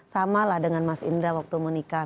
samalah dengan mas indra waktu menikah